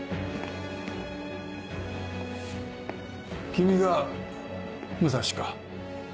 ・君が武蔵か。